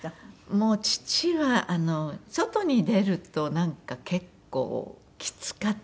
もう父は外に出るとなんか結構きつかったらしいんですね。